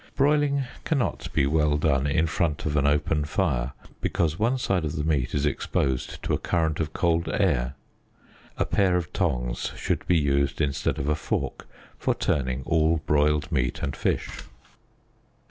Broiling cannot be well done in front of an open fire, because one side of the meat is exposed to a current of cold air. A pair of tongs should be used instead of a fork for turning all broiled meat and fish.